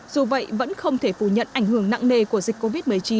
dù vậy vẫn không thể phủ nhận ảnh hưởng nặng nề của dịch covid một mươi chín